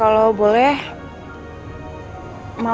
hari yang kecelakaan